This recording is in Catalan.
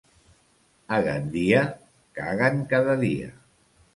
A Gandia caguen cada dia.